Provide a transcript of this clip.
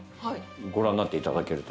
ご覧になっていただけると。